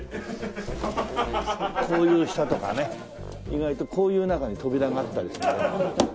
こういう下とかね意外とこういう中に扉があったりするんだ。